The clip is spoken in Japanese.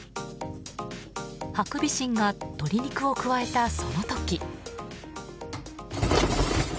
ハクビシンが鶏肉をくわえたその時。